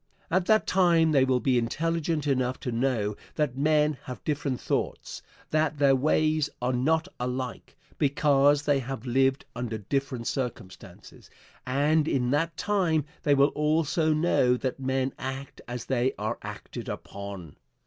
At that time they will be intelligent enough to know that men have different thoughts, that their ways are not alike, because they have lived under different circumstances, and in that time they will also know that men act as they are acted upon.